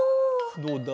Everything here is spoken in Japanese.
どうだ？